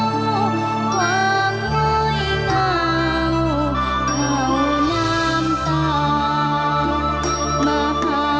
ความค่อยเงาคาวน้ำเตา